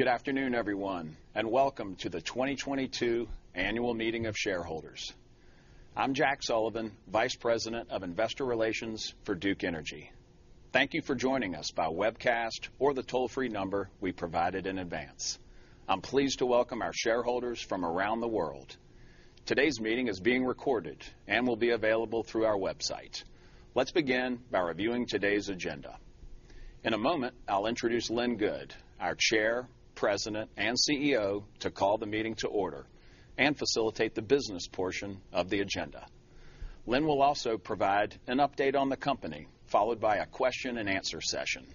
Good afternoon, everyone, and welcome to the 2022 Annual Meeting of Shareholders. I'm Jack Sullivan, VP of Investor Relations for Duke Energy. Thank you for joining us by webcast or the toll-free number we provided in advance. I'm pleased to welcome our shareholders from around the world. Today's meeting is being recorded and will be available through our website. Let's begin by reviewing today's agenda. In a moment, I'll introduce Lynn Good, our Chair, President, and CEO, to call the meeting to order and facilitate the business portion of the agenda. Lynn will also provide an update on the company, followed by a Q&A session.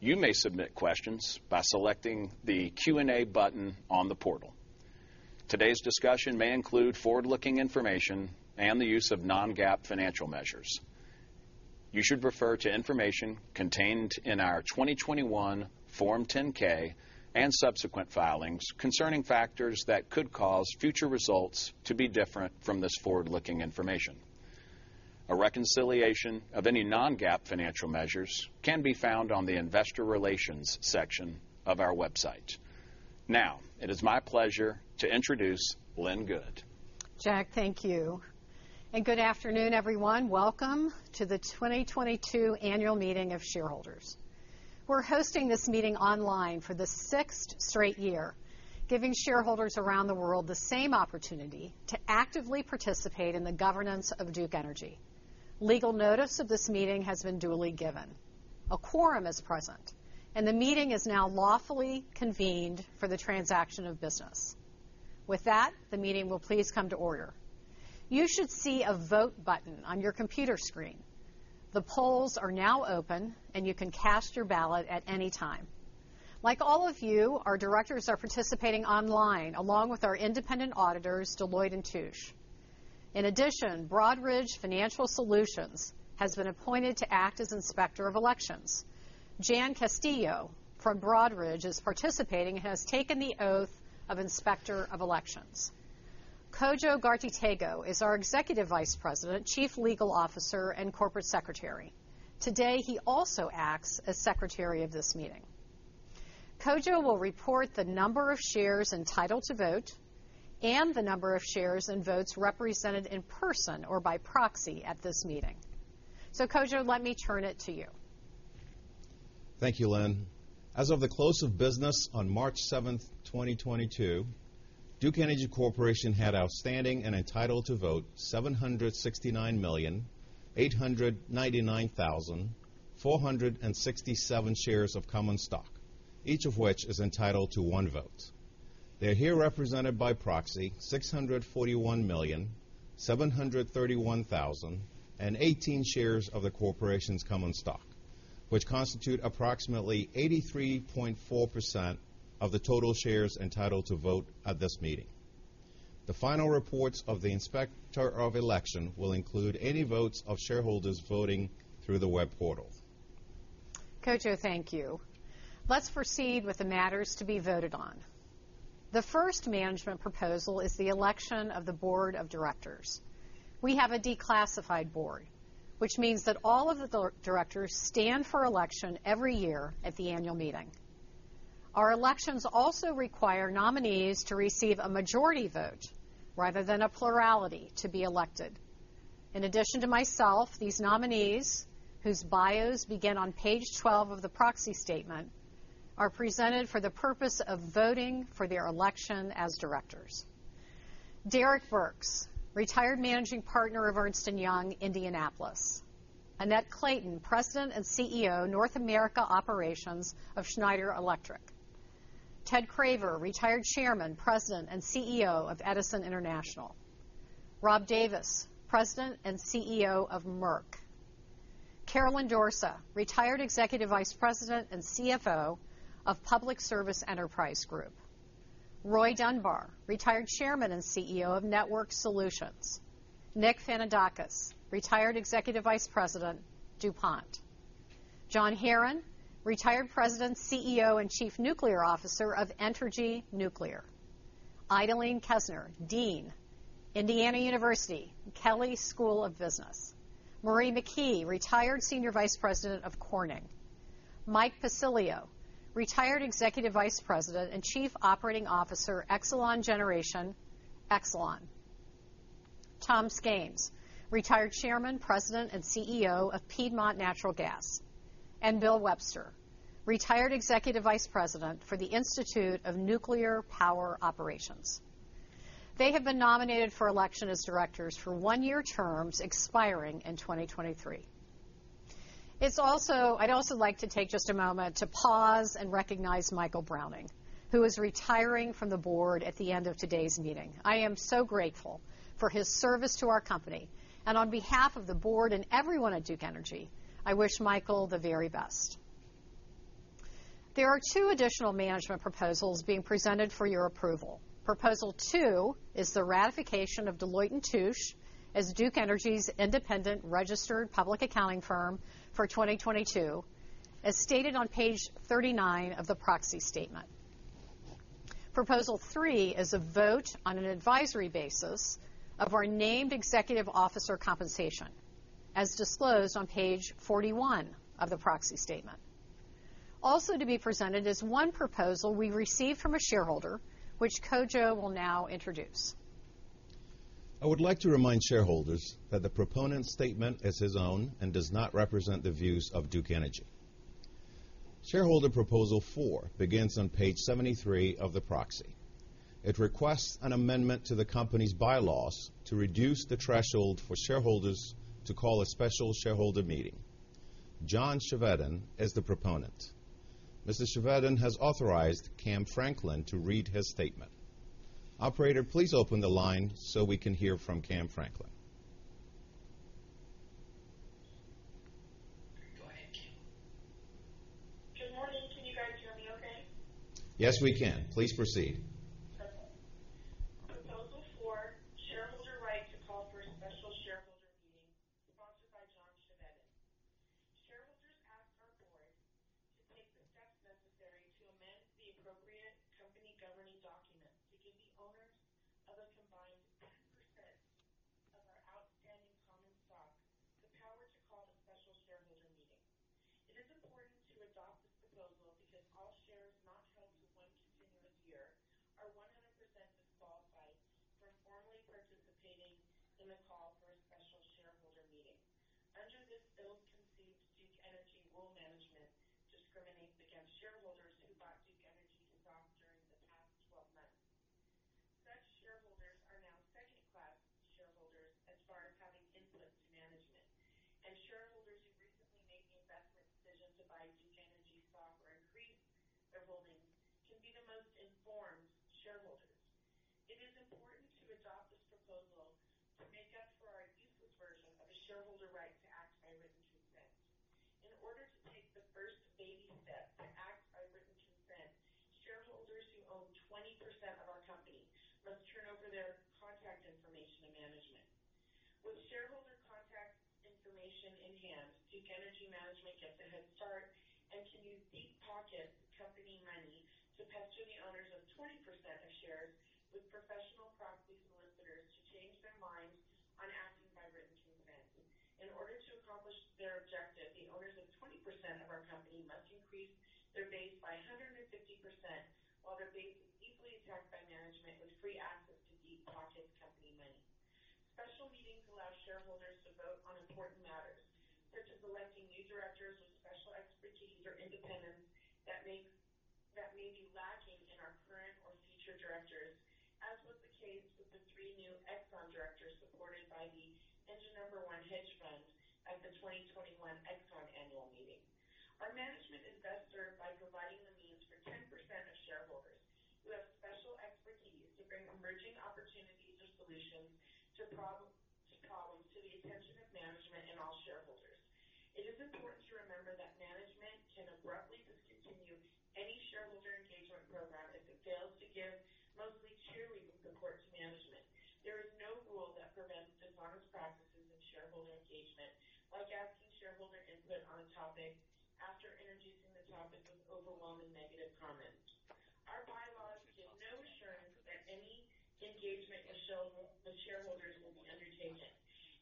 You may submit questions by selecting the Q&A button on the portal. Today's discussion may include forward-looking information and the use of non-GAAP financial measures. You should refer to information contained in our 2021 10-K and subsequent filings concerning factors that could cause future results to be different from this forward-looking information. A reconciliation of any non-GAAP financial measures can be found on the investor relations section of our website. Now it is my pleasure to introduce Lynn Good. Jack, thank you, and good afternoon, everyone. Welcome to the 2022 Annual Meeting of Shareholders. We're hosting this meeting online for the 6 straight year, giving shareholders around the world the same opportunity to actively participate in the governance of Duke Energy. Legal notice of this meeting has been duly given. A quorum is present, and the meeting is now lawfully convened for the transaction of business. With that, the meeting will please come to order. You should see a vote button on your computer screen. The polls are now open and you can cast your ballot at any time. Like all of you, our directors are participating online, along with our independent auditors, Deloitte & Touche. In addition, Broadridge Financial Solutions has been appointed to act as Inspector of Elections. Jan Castillo from Broadridge is participating and has taken the oath of Inspector of Elections. Kodwo Ghartey-Tagoe is our Executive Vice President, Chief Legal Officer, and Corporate Secretary. Today, he also acts as Secretary of this meeting. Kodwo Ghartey-Tagoe will report the number of shares entitled to vote and the number of shares and votes represented in person or by proxy at this meeting. Kodwo, let me turn it to you. Thank you, Lynn. As of the close of business on March seventh, 2022, Duke Energy Corporation had outstanding and entitled to vote 769,899,467 shares of common stock, each of which is entitled to one vote. They are here represented by proxy 641,731,018 shares of the corporation's common stock, which constitute approximately 83.4% of the total shares entitled to vote at this meeting. The final reports of the Inspector of Elections will include any votes of shareholders voting through the web portal. Kodwo, thank you. Let's proceed with the matters to be voted on. The first management proposal is the election of the board of directors. We have a declassified board, which means that all of the directors stand for election every year at the annual meeting. Our elections also require nominees to receive a majority vote rather than a plurality to be elected. In addition to myself, these nominees, whose bios begin on Page 12 of the proxy statement, are presented for the purpose of voting for their election as directors. Derrick Burks, retired Managing Partner of Ernst & Young, Indianapolis. Annette Clayton, President and CEO, North America Operations of Schneider Electric. Ted Craver, retired Chairman, President and CEO of Edison International. Rob Davis, President and CEO of Merck. Caroline Dorsa, retired Executive Vice President and CFO of Public Service Enterprise Group. Roy Dunbar, retired Chairman and CEO of Network Solutions. Nick Fanandakis, retired Executive Vice President, DuPont. John Herron, retired President, CEO, and Chief Nuclear Officer of Entergy Nuclear. Idalene Kesner, Dean, Indiana University Kelley School of Business. E. Marie McKee, retired Senior Vice President of Corning. Mike Pacilio, retired Executive Vice President and Chief Operating Officer, Exelon Generation, Exelon. Tom Skains, retired Chairman, President and CEO of Piedmont Natural Gas. Bill Webster, retired Executive Vice President for the Institute of Nuclear Power Operations. They have been nominated for election as directors for one-year terms expiring in 2023. I'd also like to take just a moment to pause and recognize Michael Browning, who is retiring from the board at the end of today's meeting. I am so grateful for his service to our company, and on behalf of the board and everyone at Duke Energy, I wish Michael the very best. There are two additional management proposals being presented for your approval. Proposal 2 is the ratification of Deloitte & Touche as Duke Energy's independent registered public accounting firm for 2022, as stated on Page 39 of the proxy statement. Proposal 3 is a vote on an advisory basis of our named executive officer compensation, as disclosed on Page 41 of the proxy statement. Also to be presented is one proposal we received from a shareholder, which Kodwo will now introduce. I would like to remind shareholders that the proponent's statement is his own and does not represent the views of Duke Energy. Shareholder Proposal 4 begins on Page 73 of the proxy. It requests an amendment to the company's bylaws to reduce the threshold for shareholders to call a special shareholder meeting. John Chevedden is the proponent. Mr. Chevedden has authorized Cam Franklin to read his statement. Operator, please open the line so we can hear from Cam Franklin. Go ahead, Cam. Good morning. Can you guys hear me okay? Yes, we can. Please proceed. Okay. act by written consent. In order to take the first baby step to act by written consent, shareholders who own 20% of our company must turn over their contact information to management. With shareholder contact information in hand, Duke Energy management gets a head start and can use deep pocket company money to pester the owners of 20% of shares with professional proxy solicitors to change their minds on acting by written consent. In order to accomplish their objective, the owners of 20% of our company must increase their base by 150% while their base is deeply attacked by management with free access to deep pocket company money. Special meetings allow shareholders to vote on important matters, such as electing new directors with special expertise or independence that may be lacking in our current or future directors, as was the case with the three new ExxonMobil directors supported by the Engine No. 1 hedge fund at the 2021 ExxonMobil annual meeting. Our management is best served by providing the means for 10% of shareholders who have special expertise to bring emerging opportunities or solutions to problems to the attention of management and all shareholders. It is important to remember that management can abruptly discontinue any shareholder engagement program if it fails to give mostly cheerleading support to management. There is no rule that prevents dishonest practices in shareholder engagement, like asking shareholder input on a topic after introducing the topic with overwhelming negative comments. Our bylaws give no assurance that any engagement with shareholders will be undertaken.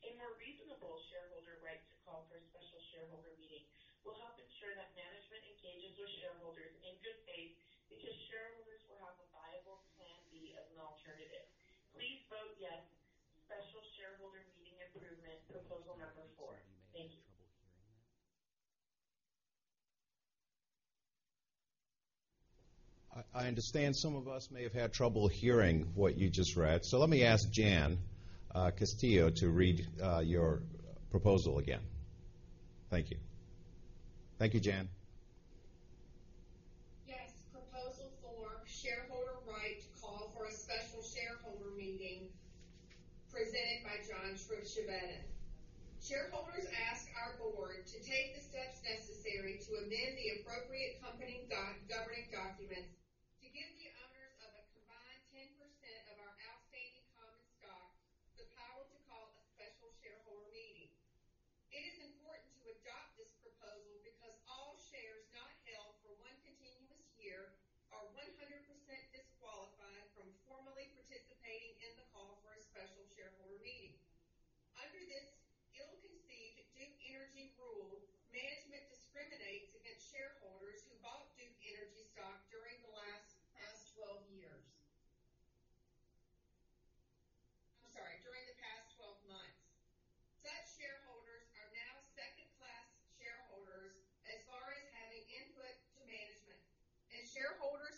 A more reasonable shareholder right to call for a special shareholder meeting will help ensure that management engages with shareholders in good faith because shareholders will have a viable plan B as an alternative. Please vote yes. Special Shareholder Meeting Improvement, Proposal Number 4. Thank you.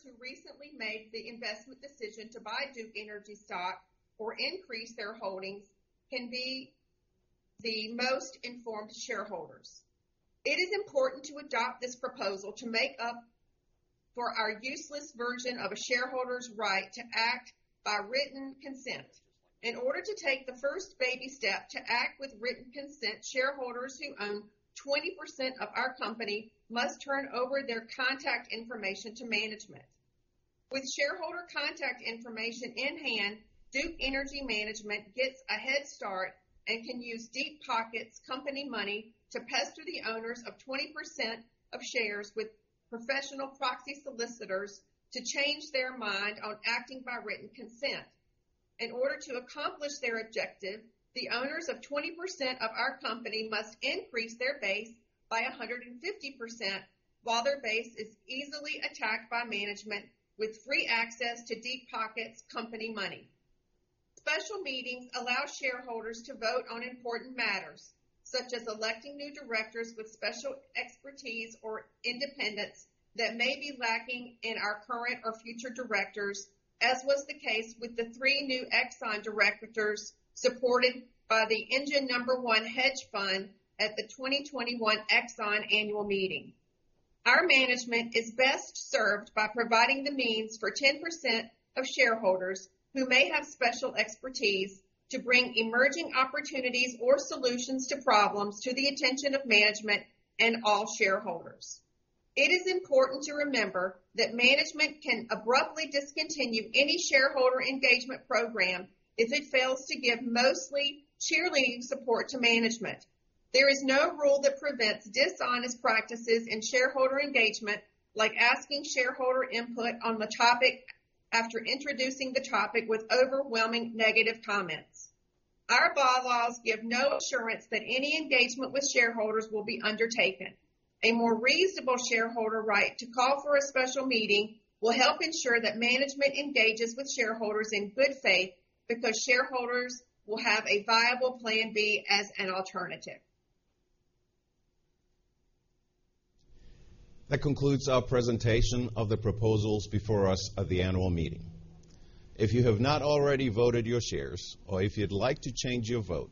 who recently made the investment decision to buy Duke Energy stock or increase their holdings can be the most informed shareholders. It is important to adopt this proposal to make up for our useless version of a shareholder's right to act by written consent. In order to take the first baby step to act with written consent, shareholders who own 20% of our company must turn over their contact information to management. With shareholder contact information in hand, Duke Energy management gets a head start and can use deep pockets company money to pester the owners of 20% of shares with professional proxy solicitors to change their mind on acting by written consent. In order to accomplish their objective, the owners of 20% of our company must increase their base by 150%, while their base is easily attacked by management with free access to deep pockets company money. Special meetings allow shareholders to vote on important matters, such as electing new directors with special expertise or independence that may be lacking in our current or future directors, as was the case with the 3 new ExxonMobil directors supported by the Engine No. 1 hedge fund at the 2021 ExxonMobil annual meeting. Our management is best served by providing the means for 10% of shareholders who may have special expertise to bring emerging opportunities or solutions to problems to the attention of management and all shareholders. It is important to remember that management can abruptly discontinue any shareholder engagement program if it fails to give mostly cheerleading support to management. There is no rule that prevents dishonest practices in shareholder engagement, like asking shareholder input on the topic after introducing the topic with overwhelming negative comments. Our bylaws give no assurance that any engagement with shareholders will be undertaken. A more reasonable shareholder right to call for a special meeting will help ensure that management engages with shareholders in good faith because shareholders will have a viable plan B as an alternative. That concludes our presentation of the proposals before us at the annual meeting. If you have not already voted your shares, or if you'd like to change your vote,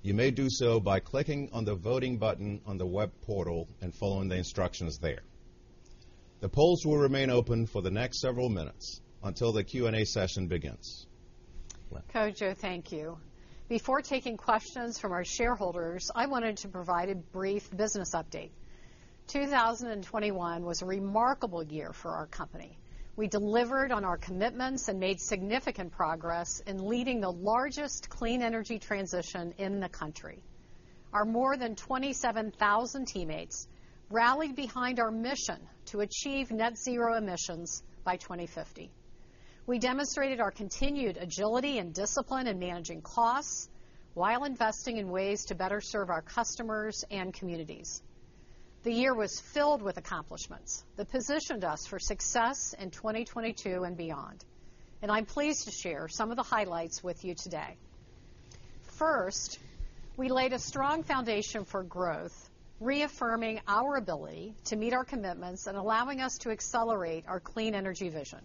you may do so by clicking on the Voting button on the web portal and following the instructions there. The polls will remain open for the next several minutes until the Q&A session begins. Lynn. Kodwo, thank you. Before taking questions from our shareholders, I wanted to provide a brief business update. 2021 was a remarkable year for our company. We delivered on our commitments and made significant progress in leading the largest clean energy transition in the country. Our more than 27,000 teammates rallied behind our mission to achieve net-zero emissions by 2050. We demonstrated our continued agility and discipline in managing costs while investing in ways to better serve our customers and communities. The year was filled with accomplishments that positioned us for success in 2022 and beyond, and I'm pleased to share some of the highlights with you today. First, we laid a strong foundation for growth, reaffirming our ability to meet our commitments and allowing us to accelerate our clean energy vision.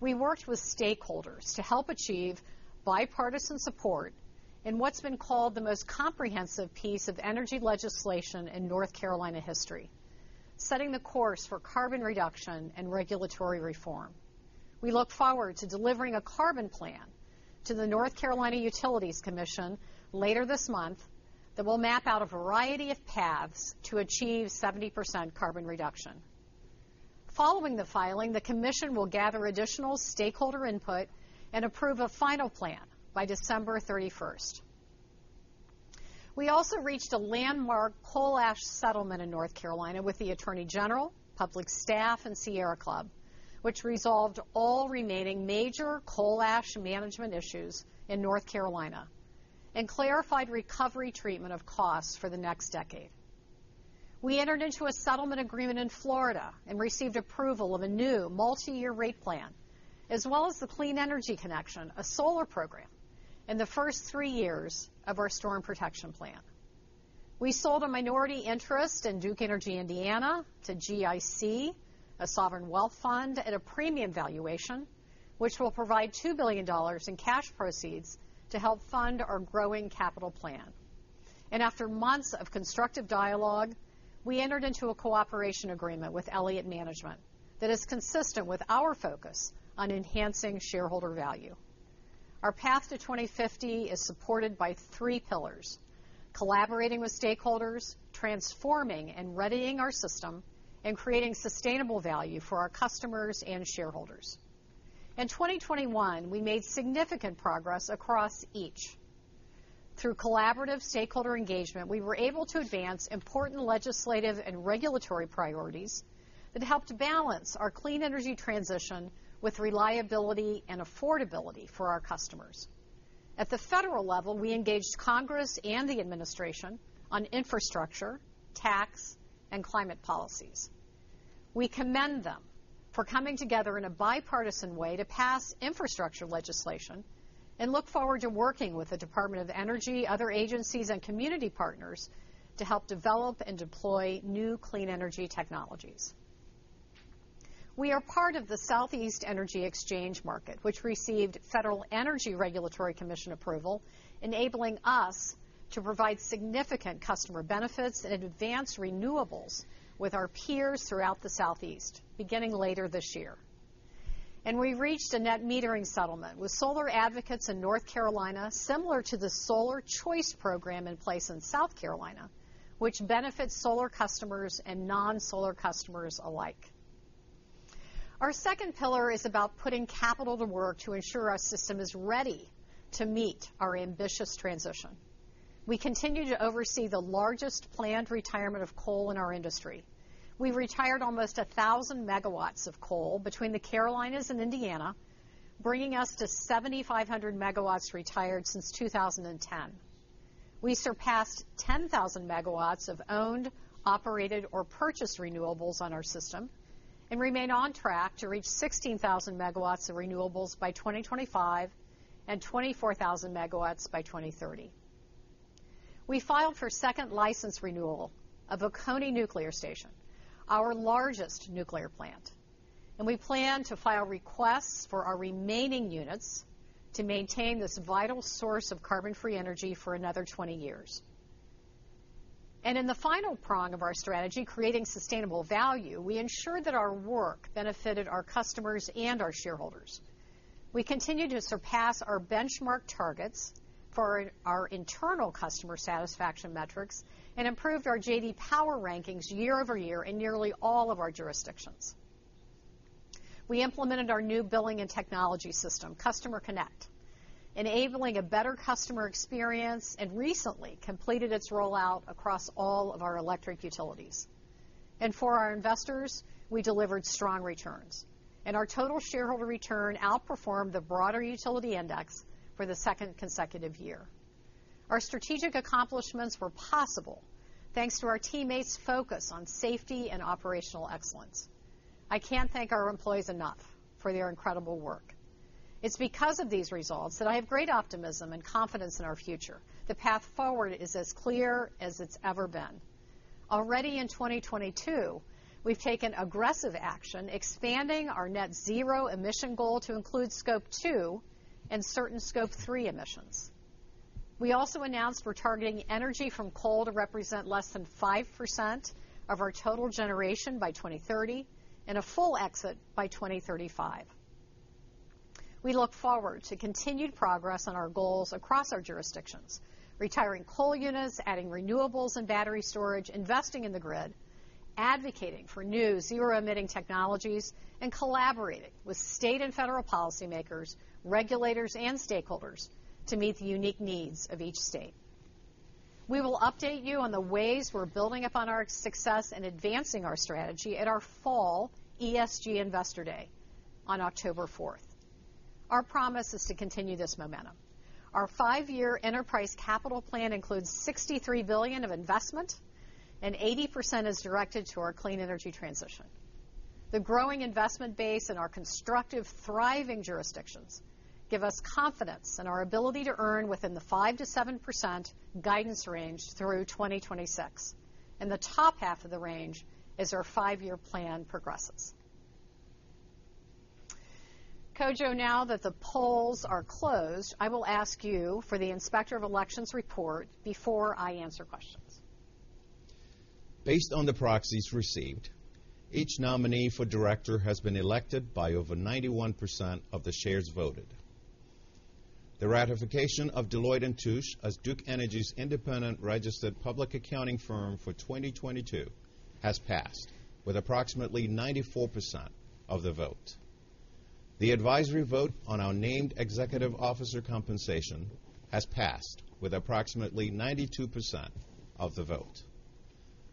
We worked with stakeholders to help achieve bipartisan support in what's been called the most comprehensive piece of energy legislation in North Carolina history, setting the course for carbon reduction and regulatory reform. We look forward to delivering a Carbon Plan to the North Carolina Utilities Commission later this month that will map out a variety of paths to achieve 70% carbon reduction. Following the filing, the commission will gather additional stakeholder input and approve a final plan by December thirty-first. We also reached a landmark coal ash settlement in North Carolina with the Attorney General, public staff, and Sierra Club, which resolved all remaining major coal ash management issues in North Carolina and clarified recovery treatment of costs for the next decade. We entered into a settlement agreement in Florida and received approval of a new multi-year rate plan, as well as the Clean Energy Connection, a solar program in the first 3-years of our Storm Protection Plan. We sold a minority interest in Duke Energy Indiana to GIC, a sovereign wealth fund at a premium valuation, which will provide $2 billion in cash proceeds to help fund our growing capital plan. After months of constructive dialogue, we entered into a cooperation agreement with Elliott Investment Management that is consistent with our focus on enhancing shareholder value. Our path to 2050 is supported by three pillars, collaborating with stakeholders, transforming and readying our system, and creating sustainable value for our customers and shareholders. In 2021, we made significant progress across each. Through collaborative stakeholder engagement, we were able to advance important legislative and regulatory priorities that helped balance our clean energy transition with reliability and affordability for our customers. At the federal level, we engaged Congress and the administration on infrastructure, tax, and climate policies. We commend them for coming together in a bipartisan way to pass infrastructure legislation and look forward to working with the Department of Energy, other agencies, and community partners to help develop and deploy new clean energy technologies. We are part of the Southeast Energy Exchange Market, which received Federal Energy Regulatory Commission approval, enabling us to provide significant customer benefits and advance renewables with our peers throughout the Southeast beginning later this year. We reached a net metering settlement with solar advocates in North Carolina similar to the Solar Choice Program in place in South Carolina, which benefits solar customers and non-solar customers alike. Our second pillar is about putting capital to work to ensure our system is ready to meet our ambitious transition. We continue to oversee the largest planned retirement of coal in our industry. We've retired almost 1,000 megawatts of coal between the Carolinas and Indiana, bringing us to 7,500 megawatts retired since 2010. We surpassed 10,000 megawatts of owned, operated, or purchased renewables on our system and remain on track to reach 16,000 megawatts of renewables by 2025 and 24,000 megawatts by 2030. We filed for second license renewal of Oconee Nuclear Station, our largest nuclear plant, and we plan to file requests for our remaining units to maintain this vital source of carbon-free energy for another 20 years. In the final prong of our strategy, creating sustainable value, we ensure that our work benefited our customers and our shareholders. We continue to surpass our benchmark targets for our internal customer satisfaction metrics and improved our J.D. Power rankings year-over-year in nearly all of our jurisdictions. We implemented our new billing and technology system, Customer Connect, enabling a better customer experience and recently completed its rollout across all of our electric utilities. For our investors, we delivered strong returns. Our total shareholder return outperformed the broader utility index for the second consecutive year. Our strategic accomplishments were possible thanks to our teammates' focus on safety and operational excellence. I can't thank our employees enough for their incredible work. It's because of these results that I have great optimism and confidence in our future. The path forward is as clear as it's ever been. Already in 2022, we've taken aggressive action, expanding our net zero emission goal to include Scope 2 and certain Scope 3 emissions. We also announced we're targeting energy from coal to represent less than 5% of our total generation by 2030 and a full exit by 2035. We look forward to continued progress on our goals across our jurisdictions, retiring coal units, adding renewables and battery storage, investing in the grid, advocating for new zero-emitting technologies, and collaborating with state and federal policymakers, regulators, and stakeholders to meet the unique needs of each state. We will update you on the ways we're building upon our success and advancing our strategy at our fall ESG Investor Day on October fourth. Our promise is to continue this momentum. Our 5-year enterprise capital plan includes $63 billion of investment and 80% is directed to our clean energy transition. The growing investment base in our constructive, thriving jurisdictions give us confidence in our ability to earn within the 5%-7% guidance range through 2026, and the top half of the range as our five-year plan progresses. Kodwo Ghartey-Tagoe, now that the polls are closed, I will ask you for the Inspector of Elections report before I answer questions. Based on the proxies received, each nominee for director has been elected by over 91% of the shares voted. The ratification of Deloitte & Touche as Duke Energy's independent registered public accounting firm for 2022 has passed with approximately 94% of the vote. The advisory vote on our named executive officer compensation has passed with approximately 92% of the vote.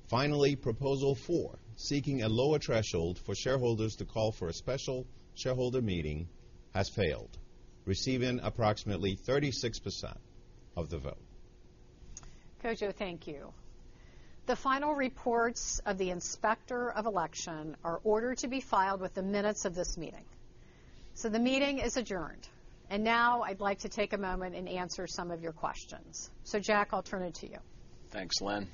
Finally, proposal 4, seeking a lower threshold for shareholders to call for a special shareholder meeting, has failed, receiving approximately 36% of the vote. Kodwo, thank you. The final reports of the Inspector of Election are ordered to be filed with the minutes of this meeting. The meeting is adjourned. Now I'd like to take a moment and answer some of your questions. Jack, I'll turn it to you. Thanks, Lynn.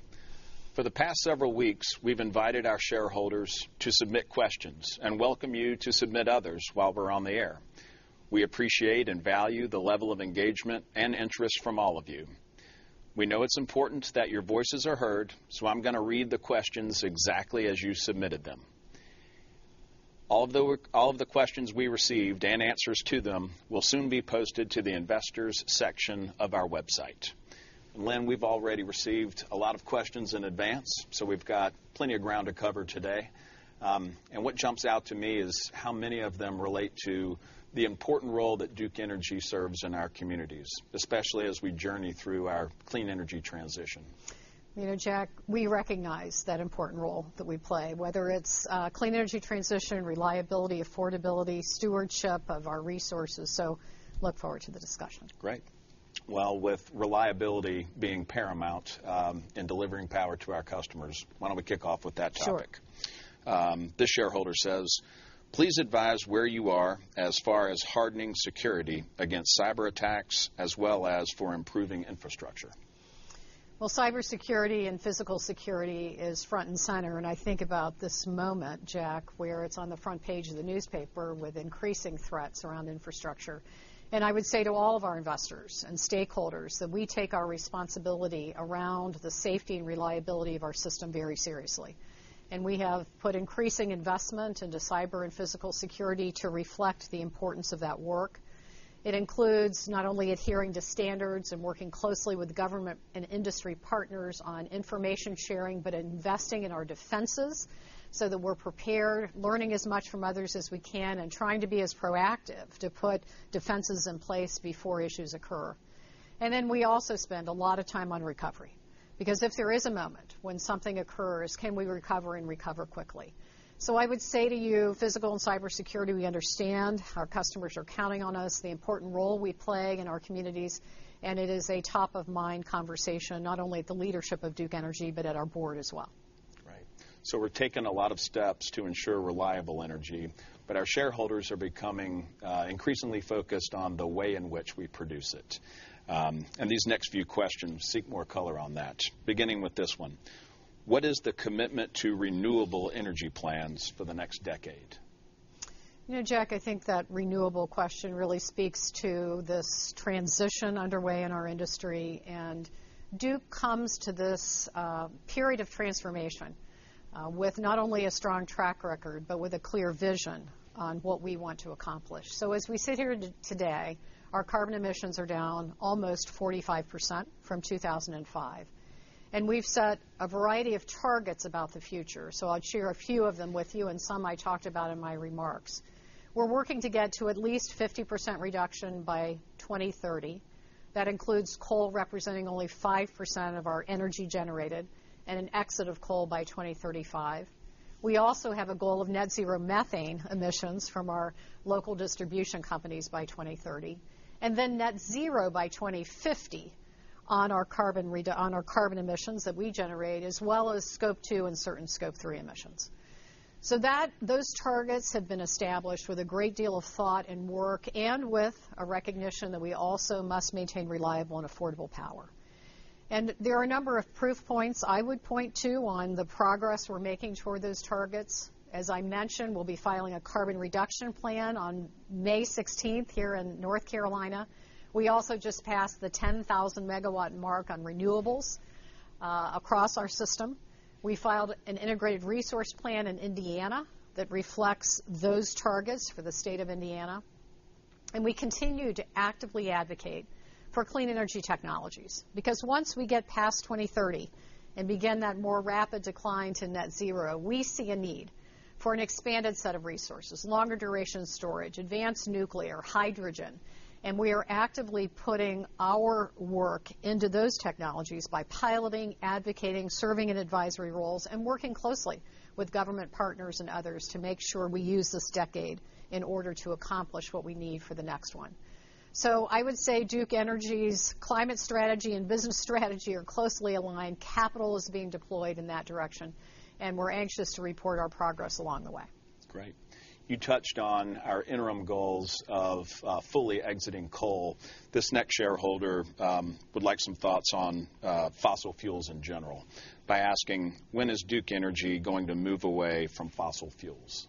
For the past several weeks, we've invited our shareholders to submit questions and welcome you to submit others while we're on the air. We appreciate and value the level of engagement and interest from all of you. We know it's important that your voices are heard, so I'm gonna read the questions exactly as you submitted them. All of the questions we received and answers to them will soon be posted to the Investors section of our website. Lynn, we've already received a lot of questions in advance, so we've got plenty of ground to cover today. What jumps out to me is how many of them relate to the important role that Duke Energy serves in our communities, especially as we journey through our clean energy transition. You know, Jack, we recognize that important role that we play, whether it's clean energy transition, reliability, affordability, stewardship of our resources. Look forward to the discussion. Great. Well, with reliability being paramount, in delivering power to our customers, why don't we kick off with that topic? Sure. This shareholder says, "Please advise where you are as far as hardening security against cyberattacks as well as for improving infrastructure. Well, cybersecurity and physical security is front and center, and I think about this moment, Jack, where it's on the front page of the newspaper with increasing threats around infrastructure. I would say to all of our investors and stakeholders that we take our responsibility around the safety and reliability of our system very seriously. We have put increasing investment into cyber and physical security to reflect the importance of that work. It includes not only adhering to standards and working closely with government and industry partners on information sharing, but investing in our defenses so that we're prepared, learning as much from others as we can, and trying to be as proactive to put defenses in place before issues occur. Then we also spend a lot of time on recovery, because if there is a moment when something occurs, can we recover and recover quickly? I would say to you, physical and cybersecurity, we understand our customers are counting on us, the important role we play in our communities, and it is a top-of-mind conversation, not only at the leadership of Duke Energy, but at our board as well. Right. We're taking a lot of steps to ensure reliable energy, but our shareholders are becoming increasingly focused on the way in which we produce it. These next few questions seek more color on that, beginning with this one. What is the commitment to renewable energy plans for the next decade? You know, Jack, I think that renewable question really speaks to this transition underway in our industry. Duke comes to this period of transformation with not only a strong track record, but with a clear vision on what we want to accomplish. As we sit here today, our carbon emissions are down almost 45% from 2005. We've set a variety of targets about the future, so I'll share a few of them with you, and some I talked about in my remarks. We're working to get to at least 50% reduction by 2030. That includes coal representing only 5% of our energy generated and an exit of coal by 2035. We also have a goal of net-zero methane emissions from our local distribution companies by 2030, and then net-zero by 2050 on our carbon emissions that we generate, as well as Scope 2 and certain Scope 3 emissions. Those targets have been established with a great deal of thought and work and with a recognition that we also must maintain reliable and affordable power. There are a number of proof points I would point to on the progress we're making toward those targets. As I mentioned, we'll be filing a Carbon Plan on May 16 here in North Carolina. We also just passed the 10,000-megawatt mark on renewables across our system. We filed an Integrated Resource Plan in Indiana that reflects those targets for the state of Indiana. We continue to actively advocate for clean energy technologies, because once we get past 2030 and begin that more rapid decline to net zero, we see a need for an expanded set of resources, longer duration storage, advanced nuclear, hydrogen. We are actively putting our work into those technologies by piloting, advocating, serving in advisory roles, and working closely with government partners and others to make sure we use this decade in order to accomplish what we need for the next one. I would say Duke Energy's climate strategy and business strategy are closely aligned. Capital is being deployed in that direction, and we're anxious to report our progress along the way. Great. You touched on our interim goals of fully exiting coal. This next shareholder would like some thoughts on fossil fuels in general by asking, when is Duke Energy going to move away from fossil fuels?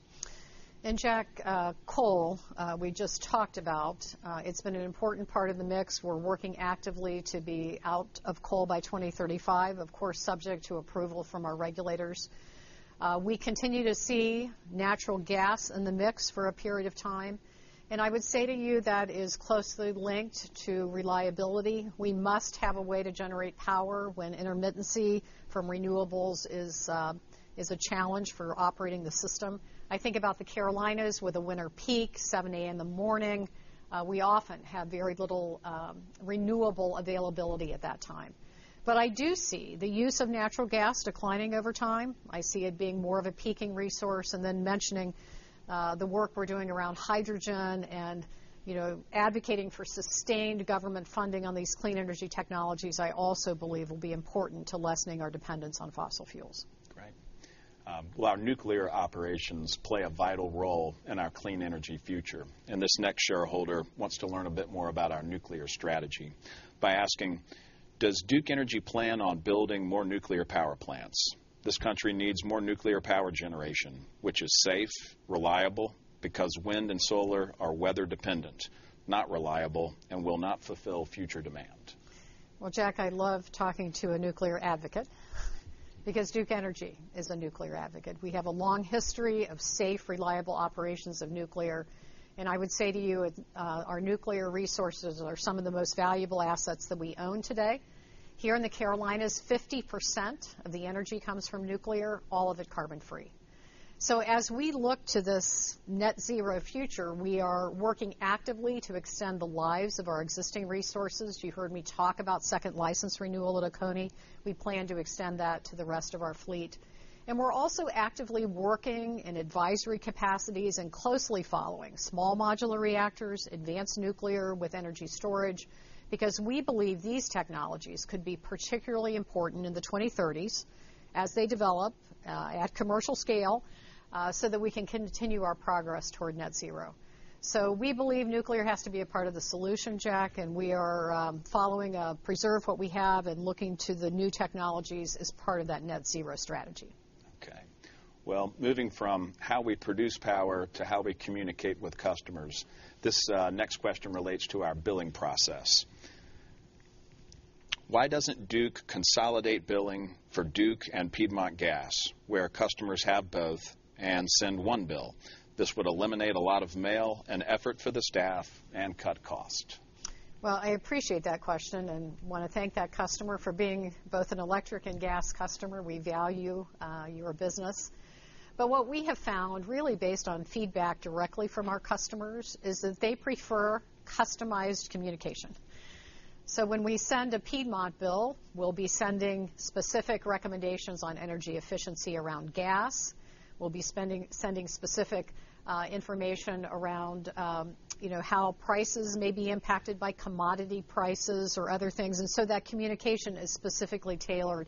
Jack, coal we just talked about. It's been an important part of the mix. We're working actively to be out of coal by 2035, of course, subject to approval from our regulators. We continue to see natural gas in the mix for a period of time. I would say to you that is closely linked to reliability. We must have a way to generate power when intermittency from renewables is a challenge for operating the system. I think about the Carolinas with a winter peak, 7:00 A.M. in the morning. We often have very little renewable availability at that time. I do see the use of natural gas declining over time. I see it being more of a peaking resource and then mentioning the work we're doing around hydrogen and, you know, advocating for sustained government funding on these clean energy technologies, I also believe, will be important to lessening our dependence on fossil fuels. Right. Well, our nuclear operations play a vital role in our clean energy future, and this next shareholder wants to learn a bit more about our nuclear strategy by asking, Does Duke Energy plan on building more nuclear power plants? This country needs more nuclear power generation, which is safe, reliable, because wind and solar are weather dependent, not reliable, and will not fulfill future demand. Well, Jack, I love talking to a nuclear advocate because Duke Energy is a nuclear advocate. We have a long history of safe, reliable operations of nuclear. I would say to you, our nuclear resources are some of the most valuable assets that we own today. Here in the Carolinas, 50% of the energy comes from nuclear, all of it carbon-free. As we look to this net-zero future, we are working actively to extend the lives of our existing resources. You heard me talk about second license renewal at Oconee. We plan to extend that to the rest of our fleet. We're also actively working in advisory capacities and closely following small modular reactors, advanced nuclear with energy storage, because we believe these technologies could be particularly important in the 2030s as they develop at commercial scale, so that we can continue our progress toward net-zero. We believe nuclear has to be a part of the solution, Jack, and we are following preserve what we have and looking to the new technologies as part of that net-zero strategy. Well, moving from how we produce power to how we communicate with customers, this next question relates to our billing process. Why doesn't Duke consolidate billing for Duke and Piedmont Gas where customers have both and send one bill? This would eliminate a lot of mail and effort for the staff and cut costs. I appreciate that question and wanna thank that customer for being both an electric and gas customer. We value your business. What we have found really based on feedback directly from our customers is that they prefer customized communication. When we send a Piedmont bill, we'll be sending specific recommendations on energy efficiency around gas. We'll be sending specific information around how prices may be impacted by commodity prices or other things. That communication is specifically tailored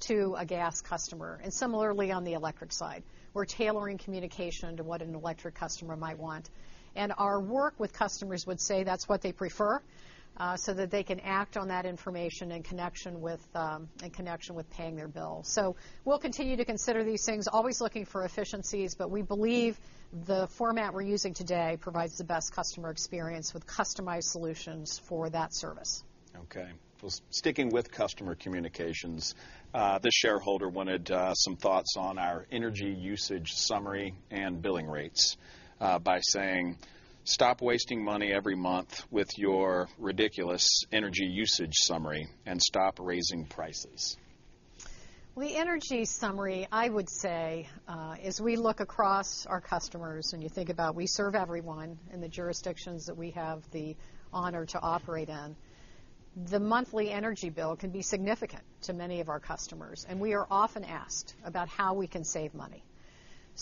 to a gas customer. Similarly, on the electric side, we're tailoring communication to what an electric customer might want. Our work with customers would say that's what they prefer so that they can act on that information in connection with paying their bill. We'll continue to consider these things, always looking for efficiencies, but we believe the format we're using today provides the best customer experience with customized solutions for that service. Okay. Well, sticking with customer communications, this shareholder wanted some thoughts on our energy usage summary and billing rates by saying, "Stop wasting money every month with your ridiculous energy usage summary and stop raising prices. The energy summary, I would say, as we look across our customers, when you think about we serve everyone in the jurisdictions that we have the honor to operate in, the monthly energy bill can be significant to many of our customers, and we are often asked about how we can save money.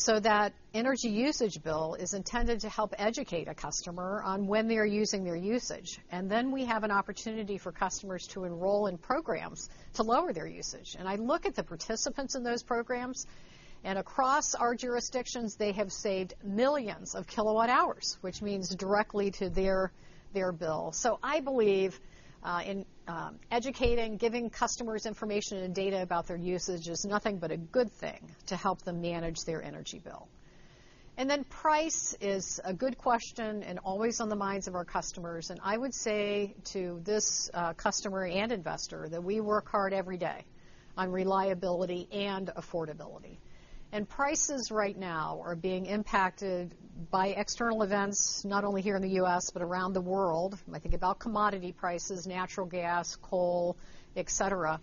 That energy usage bill is intended to help educate a customer on when they are using their usage, and then we have an opportunity for customers to enroll in programs to lower their usage. I look at the participants in those programs, and across our jurisdictions, they have saved millions of kWh, which means directly to their bill. I believe in educating, giving customers information and data about their usage is nothing but a good thing to help them manage their energy bill. Price is a good question and always on the minds of our customers, and I would say to this customer and investor that we work hard every day on reliability and affordability. Prices right now are being impacted by external events, not only here in the US, but around the world. I think about commodity prices, natural gas, coal, et cetera.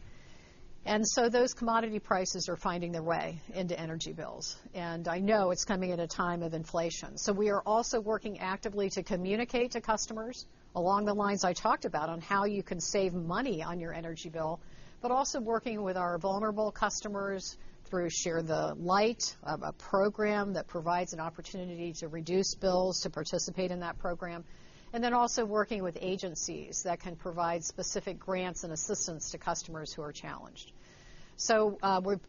Those commodity prices are finding their way into energy bills, and I know it's coming at a time of inflation. We are also working actively to communicate to customers along the lines I talked about on how you can save money on your energy bill, but also working with our vulnerable customers through Share the Light, a program that provides an opportunity to reduce bills to participate in that program, and then also working with agencies that can provide specific grants and assistance to customers who are challenged.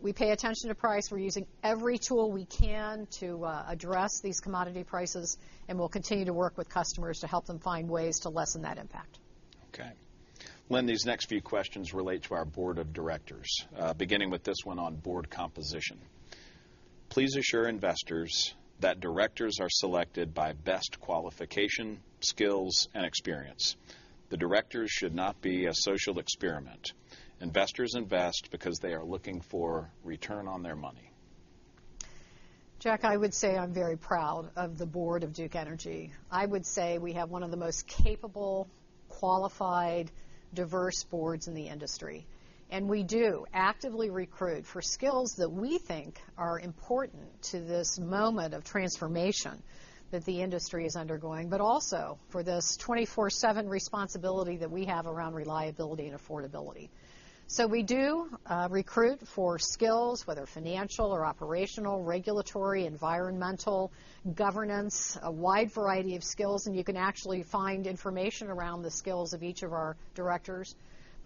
We pay attention to price. We're using every tool we can to address these commodity prices, and we'll continue to work with customers to help them find ways to lessen that impact. Okay. Lynn, these next few questions relate to our board of directors, beginning with this one on board composition. Please assure investors that directors are selected by best qualification, skills, and experience. The directors should not be a social experiment. Investors invest because they are looking for return on their money. Jack, I would say I'm very proud of the board of Duke Energy. I would say we have one of the most capable, qualified, diverse boards in the industry. We do actively recruit for skills that we think are important to this moment of transformation that the industry is undergoing, but also for this 24/7 responsibility that we have around reliability and affordability. We do recruit for skills, whether financial or operational, regulatory, environmental, governance, a wide variety of skills, and you can actually find information around the skills of each of our directors.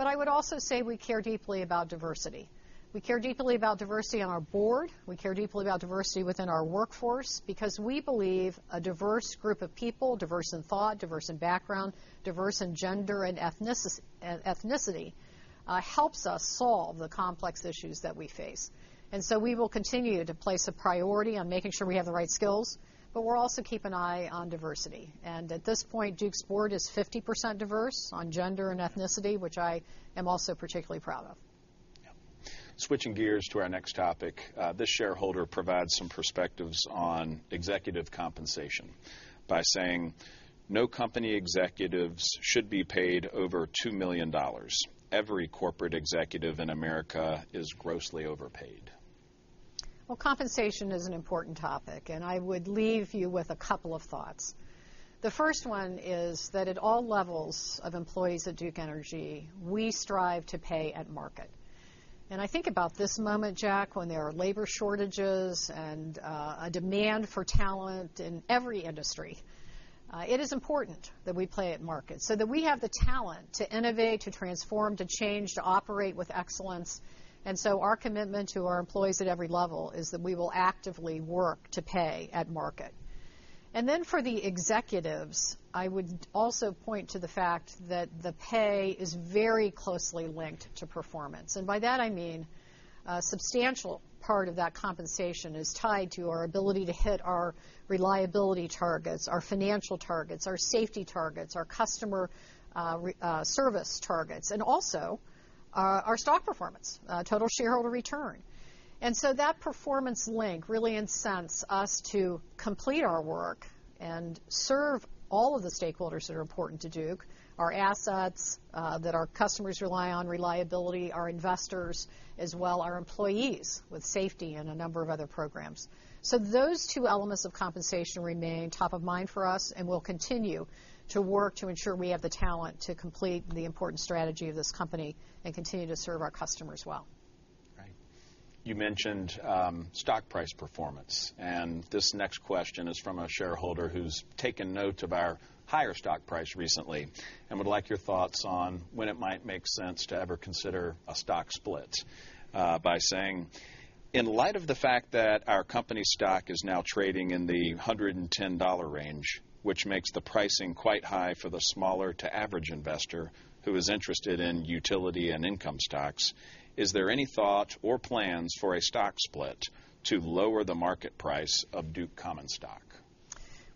I would also say we care deeply about diversity. We care deeply about diversity on our board. We care deeply about diversity within our workforce because we believe a diverse group of people, diverse in thought, diverse in background, diverse in gender and ethnicity, helps us solve the complex issues that we face. We will continue to place a priority on making sure we have the right skills, but we'll also keep an eye on diversity. At this point, Duke's board is 50% diverse on gender and ethnicity, which I am also particularly proud of. Yeah. Switching gears to our next topic, this shareholder provides some perspectives on executive compensation by saying, "No company executives should be paid over $2 million. Every corporate executive in America is grossly overpaid. Well, compensation is an important topic, and I would leave you with a couple of thoughts. The first one is that at all levels of employees at Duke Energy, we strive to pay at market. I think about this moment, Jack, when there are labor shortages and a demand for talent in every industry. It is important that we play at market so that we have the talent to innovate, to transform, to change, to operate with excellence. Our commitment to our employees at every level is that we will actively work to pay at market. For the executives, I would also point to the fact that the pay is very closely linked to performance. By that I mean a substantial part of that compensation is tied to our ability to hit our reliability targets, our financial targets, our safety targets, our customer service targets, and also our stock performance, total shareholder return. That performance link really incents us to complete our work and serve all of the stakeholders that are important to Duke, our assets that our customers rely on, reliability, our investors, as well our employees with safety and a number of other programs. Those two elements of compensation remain top of mind for us, and we'll continue to work to ensure we have the talent to complete the important strategy of this company and continue to serve our customers well. Right. You mentioned, stock price performance, and this next question is from a shareholder who's taken note of our higher stock price recently and would like your thoughts on when it might make sense to ever consider a stock split, by saying, "In light of the fact that our company stock is now trading in the $110 range, which makes the pricing quite high for the smaller to average investor who is interested in utility and income stocks, is there any thought or plans for a stock split to lower the market price of Duke common stock?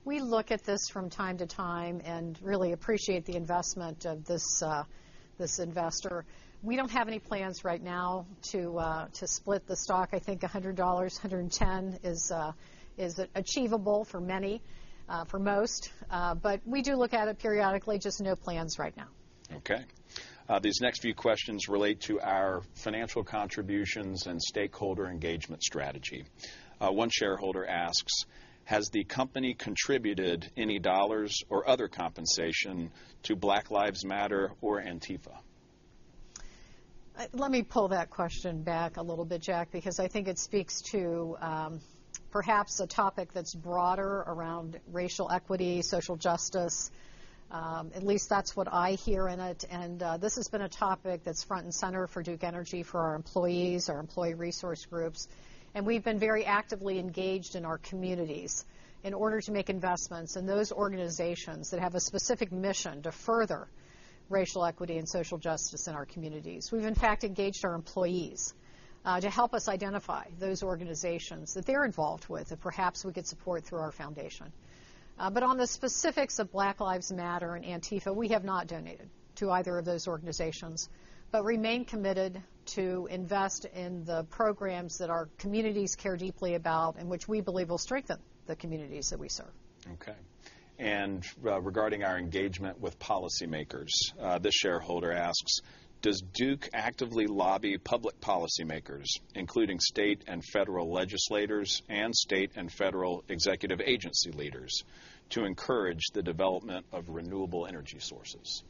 We look at this from time to time and really appreciate the investment of this investor. We don't have any plans right now to split the stock. I think $100, $110 is achievable for most. We do look at it periodically. Just no plans right now. These next few questions relate to our financial contributions and stakeholder engagement strategy. One shareholder asks, "Has the company contributed any dollars or other compensation to Black Lives Matter or Antifa? Let me pull that question back a little bit, Jack, because I think it speaks to perhaps a topic that's broader around racial equity, social justice. At least that's what I hear in it. This has been a topic that's front and center for Duke Energy, for our employees, our employee resource groups, and we've been very actively engaged in our communities in order to make investments in those organizations that have a specific mission to further racial equity and social justice in our communities. We've in fact engaged our employees to help us identify those organizations that they're involved with that perhaps we could support through our foundation. On the specifics of Black Lives Matter and Antifa, we have not donated to either of those organizations, but remain committed to invest in the programs that our communities care deeply about and which we believe will strengthen the communities that we serve. Okay. Regarding our engagement with policymakers, this shareholder asks, "Does Duke actively lobby public policymakers, including state and federal legislators and state and federal executive agency leaders, to encourage the development of renewable energy sources?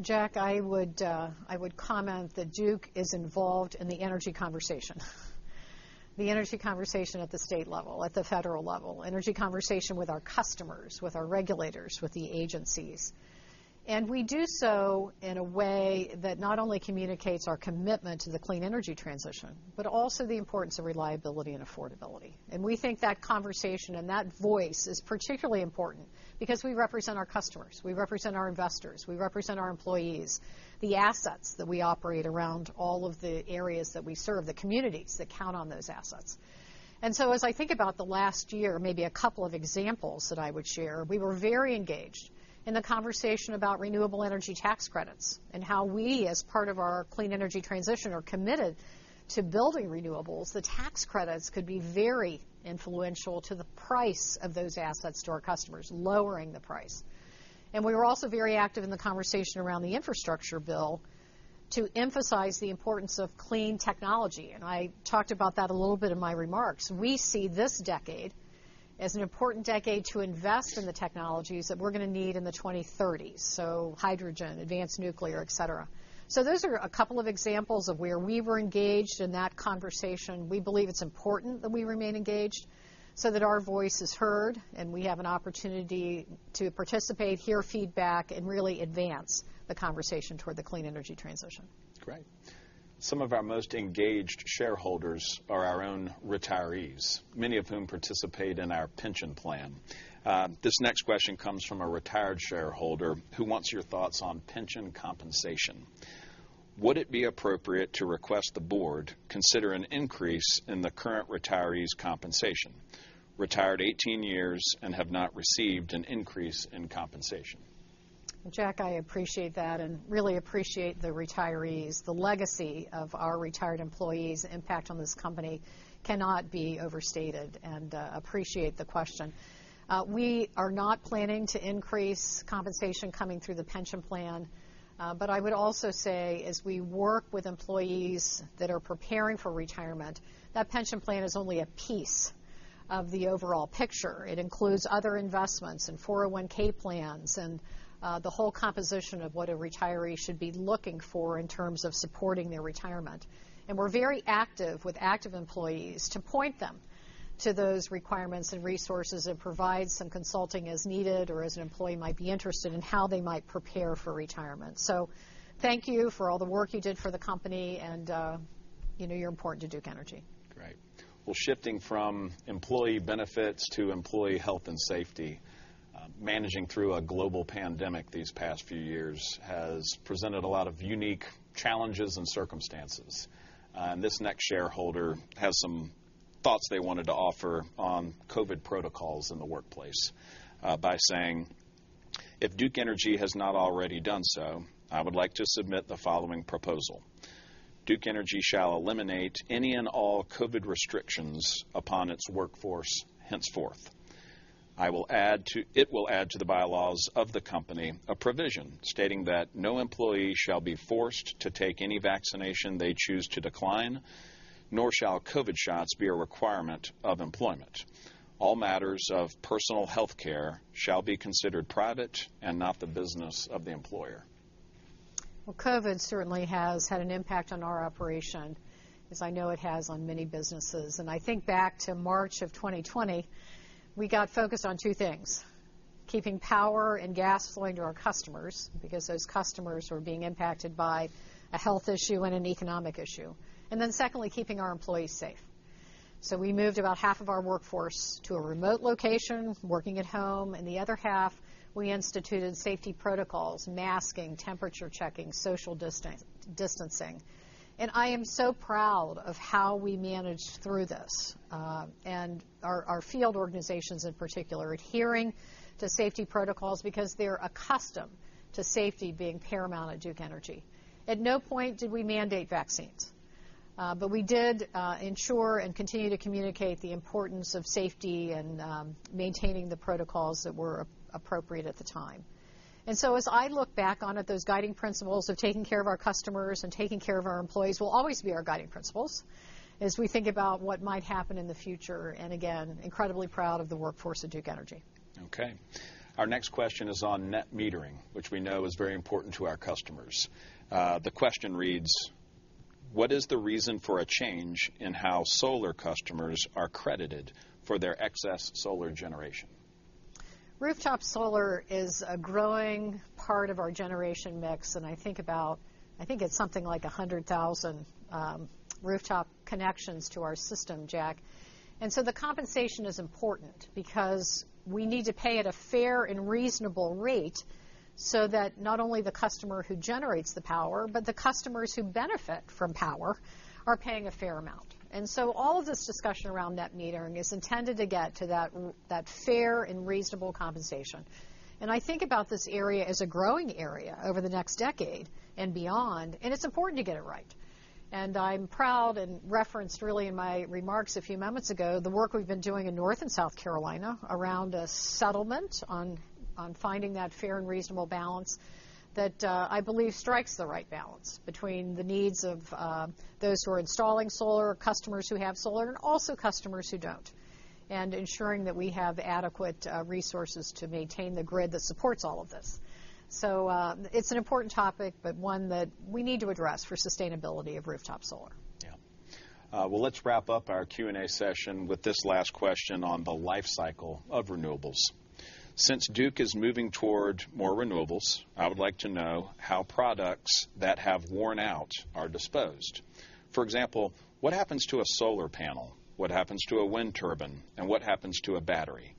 Jack, I would comment that Duke is involved in the energy conversation. The energy conversation at the state level, at the federal level, energy conversation with our customers, with our regulators, with the agencies. We do so in a way that not only communicates our commitment to the clean energy transition, but also the importance of reliability and affordability. We think that conversation and that voice is particularly important because we represent our customers, we represent our investors, we represent our employees, the assets that we operate around all of the areas that we serve, the communities that count on those assets. As I think about the last year, maybe a couple of examples that I would share. We were very engaged in the conversation about renewable energy tax credits and how we, as part of our clean energy transition, are committed to building renewables. The tax credits could be very influential to the price of those assets to our customers, lowering the price. We were also very active in the conversation around the infrastructure bill to emphasize the importance of clean technology, and I talked about that a little bit in my remarks. We see this decade as an important decade to invest in the technologies that we're gonna need in the 2030s, so hydrogen, advanced nuclear, et cetera. Those are a couple of examples of where we were engaged in that conversation. We believe it's important that we remain engaged so that our voice is heard and we have an opportunity to participate, hear feedback, and really advance the conversation toward the clean energy transition. Great. Some of our most engaged shareholders are our own retirees, many of whom participate in our pension plan. This next question comes from a retired shareholder who wants your thoughts on pension compensation. "Would it be appropriate to request the board consider an increase in the current retirees' compensation? Retired 18 years and have not received an increase in compensation. Jack, I appreciate that and really appreciate the retirees. The legacy of our retired employees' impact on this company cannot be overstated, and appreciate the question. We are not planning to increase compensation coming through the pension plan. But I would also say as we work with employees that are preparing for retirement, that pension plan is only a piece of the overall picture. It includes other investments and 401(k) plans and the whole composition of what a retiree should be looking for in terms of supporting their retirement. We're very active with active employees to point them to those requirements and resources and provide some consulting as needed or as an employee might be interested in how they might prepare for retirement. Thank you for all the work you did for the company, and, you know you're important to Duke Energy. Great. Well, shifting from employee benefits to employee health and safety. Managing through a global pandemic these past few years has presented a lot of unique challenges and circumstances. This next shareholder has some thoughts they wanted to offer on COVID protocols in the workplace, by saying, "If Duke Energy has not already done so, I would like to submit the following proposal. Duke Energy shall eliminate any and all COVID restrictions upon its workforce henceforth. It will add to the bylaws of the company a provision stating that no employee shall be forced to take any vaccination they choose to decline, nor shall COVID shots be a requirement of employment. All matters of personal healthcare shall be considered private and not the business of the employer. Well, COVID certainly has had an impact on our operation, as I know it has on many businesses. I think back to March of 2020, we got focused on two things, keeping power and gas flowing to our customers because those customers were being impacted by a health issue and an economic issue, and then secondly, keeping our employees safe. We moved about half of our workforce to a remote location, working at home, and the other half, we instituted safety protocols, masking, temperature checking, social distancing. I am so proud of how we managed through this, and our field organizations in particular adhering to safety protocols because they're accustomed to safety being paramount at Duke Energy. At no point did we mandate vaccines, but we did ensure and continue to communicate the importance of safety and maintaining the protocols that were appropriate at the time. As I look back on it, those guiding principles of taking care of our customers and taking care of our employees will always be our guiding principles as we think about what might happen in the future. Again, incredibly proud of the workforce at Duke Energy. Okay. Our next question is on net metering, which we know is very important to our customers. The question reads: What is the reason for a change in how solar customers are credited for their excess solar generation? Rooftop solar is a growing part of our generation mix, and I think it's something like 100,000 rooftop connections to our system, Jack. The compensation is important because we need to pay at a fair and reasonable rate so that not only the customer who generates the power, but the customers who benefit from power are paying a fair amount. All of this discussion around net metering is intended to get to that fair and reasonable compensation. I think about this area as a growing area over the next decade and beyond, and it's important to get it right. I'm proud and referenced really in my remarks a few moments ago, the work we've been doing in North and South Carolina around a settlement on finding that fair and reasonable balance that I believe strikes the right balance between the needs of those who are installing solar, customers who have solar, and also customers who don't, and ensuring that we have adequate resources to maintain the grid that supports all of this. It's an important topic, but one that we need to address for sustainability of rooftop solar. Yeah. Well, let's wrap up our Q&A session with this last question on the life cycle of renewables. Since Duke is moving toward more renewables, I would like to know how products that have worn out are disposed. For example, what happens to a solar panel? What happens to a wind turbine? And what happens to a battery?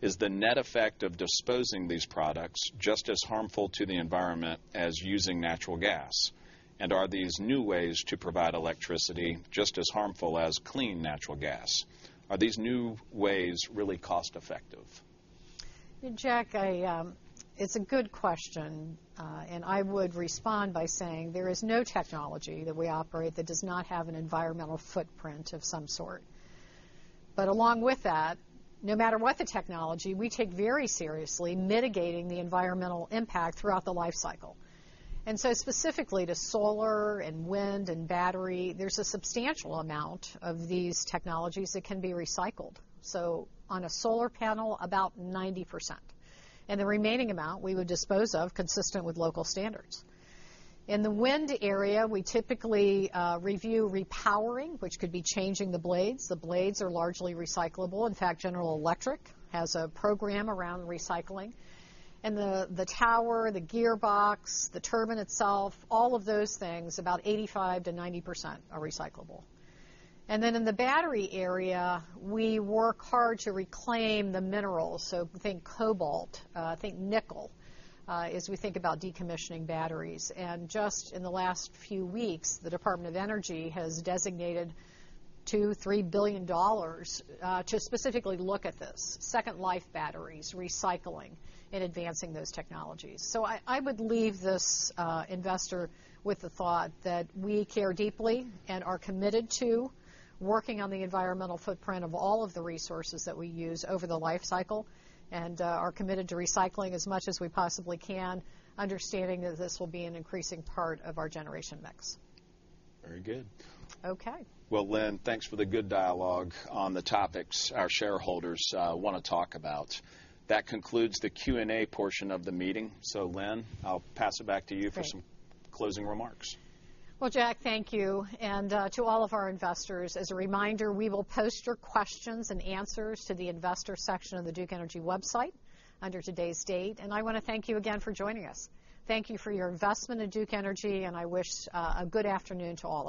Is the net effect of disposing these products just as harmful to the environment as using natural gas? And are these new ways to provide electricity just as harmful as clean natural gas? Are these new ways really cost-effective? Jack, it's a good question, and I would respond by saying there is no technology that we operate that does not have an environmental footprint of some sort. Along with that, no matter what the technology, we take very seriously mitigating the environmental impact throughout the life cycle. Specifically to solar and wind and battery, there's a substantial amount of these technologies that can be recycled. On a solar panel, about 90%, and the remaining amount we would dispose of consistent with local standards. In the wind area, we typically review repowering, which could be changing the blades. The blades are largely recyclable. In fact, General Electric has a program around recycling. The tower, the gearbox, the turbine itself, all of those things, about 85%-90% are recyclable. In the battery area, we work hard to reclaim the minerals. Think cobalt, think nickel, as we think about decommissioning batteries. Just in the last few weeks, the Department of Energy has designated $2-$3 billion to specifically look at this, second-life batteries, recycling, and advancing those technologies. I would leave this investor with the thought that we care deeply and are committed to working on the environmental footprint of all of the resources that we use over the life cycle and are committed to recycling as much as we possibly can, understanding that this will be an increasing part of our generation mix. Very good. Okay. Well, Lynn, thanks for the good dialogue on the topics our shareholders wanna talk about. That concludes the Q&A portion of the meeting. Lynn, I'll pass it back to you for some closing remarks. Well, Jack, thank you. To all of our investors, as a reminder, we will post your questions and answers to the investor section of the Duke Energy website under today's date. I wanna thank you again for joining us. Thank you for your investment in Duke Energy, and I wish a good afternoon to all.